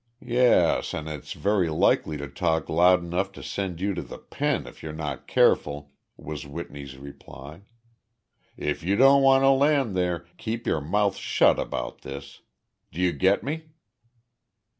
"Yes, and it's very likely to talk loud enough to send you to the pen if you're not careful!" was Whitney's reply. "If you don't want to land there, keep your mouth shut about this. D'you get me?"